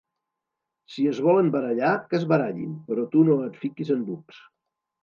Si es volen barallar, que es barallin, però tu no et fiquis en bucs.